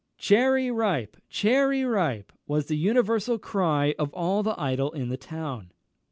"Cherry ripe!" "Cherry ripe!" was the universal cry of all the idle in the town.